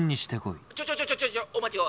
「ちょちょちょちょお待ちを！